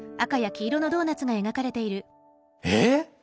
えっ？